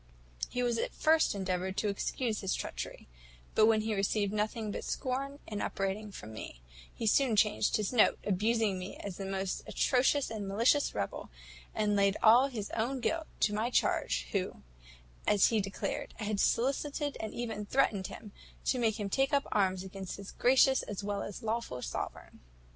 He at first endeavoured to excuse his treachery; but when he received nothing but scorn and upbraiding from me, he soon changed his note, abused me as the most atrocious and malicious rebel, and laid all his own guilt to my charge, who, as he declared, had solicited, and even threatened him, to make him take up arms against his gracious as well as lawful sovereign.